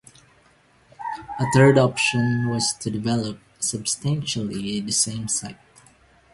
A third option was to develop substantially the same site.